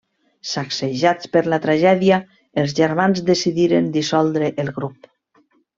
Sacsejats per la tragèdia, els germans decidiren dissoldre el grup.